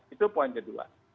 itu poin kedua